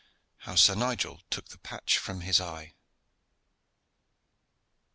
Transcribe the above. HOW SIR NIGEL TOOK THE PATCH FROM HIS EYE.